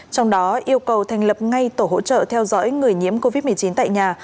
trong đó yêu cầu thành lập ngay tổ hỗ trợ theo dõi người nhiễm covid một mươi chín tại nhà